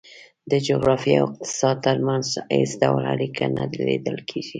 د جغرافیې او اقتصاد ترمنځ هېڅ ډول اړیکه نه لیدل کېږي.